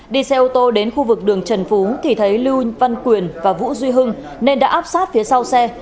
đi xe ô tô đến khu vực đường trần phú thì thấy lưu văn quyền và vũ duy hưng nên đã áp sát phía sau xe